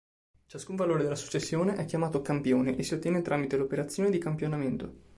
Ciascun valore della successione è chiamato campione e si ottiene tramite l'operazione di campionamento.